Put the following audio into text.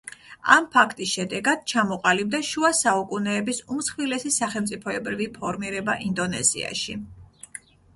ამ ფაქტის შედეგად ჩამოყალიბდა შუა საუკუნეების უმსხვილესი სახელმწიფოებრივი ფორმირება ინდონეზიაში.